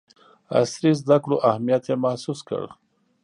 عصري زدکړو اهمیت یې محسوس کړ.